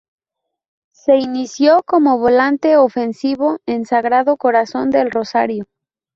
Se inició como volante ofensivo en Sagrado Corazón del Rosario.